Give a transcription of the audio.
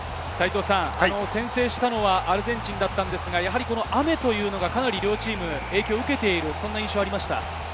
先制したのはアルゼンチンだったんですが、雨というのが、かなり両チーム影響を受けている印象がありました。